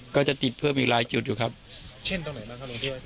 ก็จะติดเพิ่มอีกหลายจุดอยู่ครับเช่นตรงไหนบ้างครับหลวงพี่